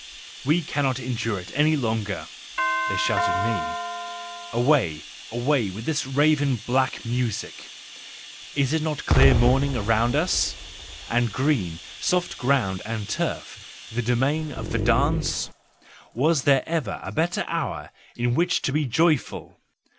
"We cannot endure it any longer," they shout to me, "away, away with this raven black music. Is it not clear morning round about us ? And green, soft ground and turf, the domain of the dance? Was there ever a better hour in which to be joyful?